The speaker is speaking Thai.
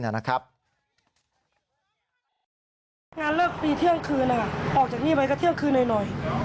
งานเลิกฟรีเที่ยงคืนออกจากนี่ไปก็เที่ยงคืนหน่อย